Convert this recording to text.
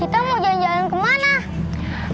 kita mau jalan jalan ke mana